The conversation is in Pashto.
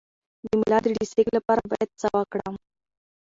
د ملا د ډیسک لپاره باید څه وکړم؟